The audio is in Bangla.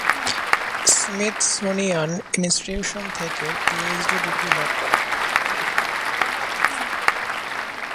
স্মিথসোনিয়ান ইনস্টিটিউশন থেকে পিএইচডি ডিগ্রি লাভ করেন।